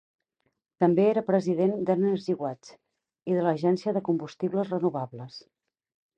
També era president d'EnergyWatch i de l'Agència de Combustibles Renovables.